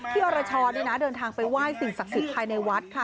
อรชรเดินทางไปไหว้สิ่งศักดิ์สิทธิ์ภายในวัดค่ะ